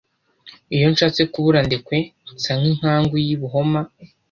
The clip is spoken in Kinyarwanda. iyo nshatse kubura indekwe nsa n'inkangu y'i buhoma.